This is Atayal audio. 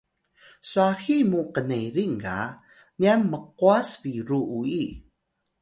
swahi mu knerin ga nyan mqwas biru uyi